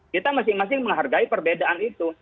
kita masing masing menghargai perbedaan itu